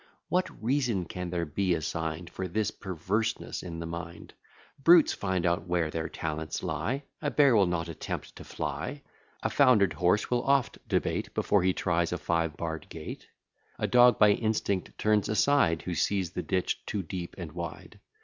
What reason can there be assign'd For this perverseness in the mind? Brutes find out where their talents lie: A bear will not attempt to fly; A founder'd horse will oft debate, Before he tries a five barr'd gate; A dog by instinct turns aside, Who sees the ditch too deep and wide.